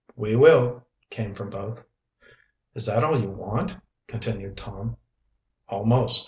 "We will," came from both. "Is that all you want?" continued Tom. "Almost.